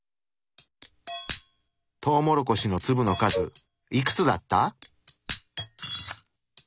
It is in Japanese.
トウモロコシの粒の数いくつだった？